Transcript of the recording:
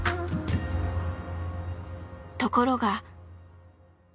ところが。